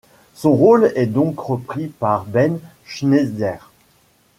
Son rôle est donc repris par Ben Schnetzer.